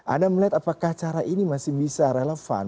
anda melihat apakah cara ini masih bisa relevan